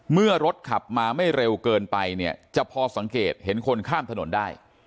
เมื่อรถขับมาไม่เร็วเกินไปเนี่ยจะพอสังเกตเห็นคนข้ามถนนได้